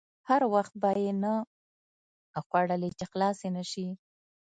هر وخت به یې نه خوړلې چې خلاصې نه شي.